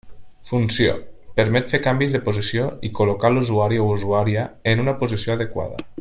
Funció: permet fer canvis de posició i col·locar l'usuari o usuària en una posició adequada.